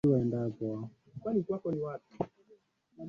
francis bacon aliandika falsafa ya malkia